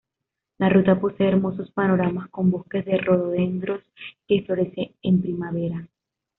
La ruta posee hermosos panoramas con bosques de rododendros que florecen en primavera.